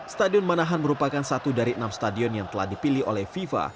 stadion manahan merupakan satu dari enam stadion yang telah dipilih oleh fifa